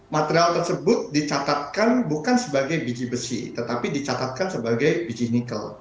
material tersebut dicatatkan bukan sebagai biji besi tetapi dicatatkan sebagai biji nikel